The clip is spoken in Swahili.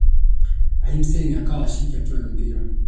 Raheem Sterling akawa hashikiki akiwa na mpira